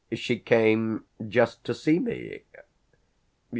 "She came just to see me.